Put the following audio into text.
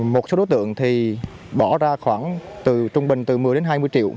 một số đối tượng thì bỏ ra khoảng từ trung bình từ một mươi đến hai mươi triệu